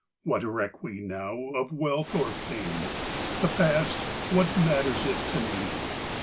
What reck we now of wealth or fame? The past what matters it to me?